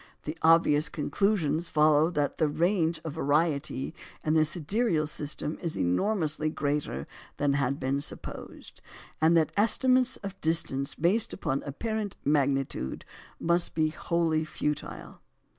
The obvious conclusions follow that the range of variety in the sidereal system is enormously greater than had been supposed, and that estimates of distance based upon apparent magnitude must be wholly futile.